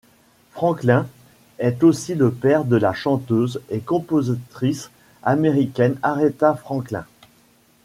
Franklin est aussi le père de la chanteuse et compositrice américaine Aretha Franklin.